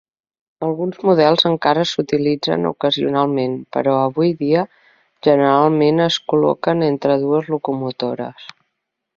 Alguns models encara s'utilitzen ocasionalment, però avui dia generalment es col·loquen entre dues locomotores.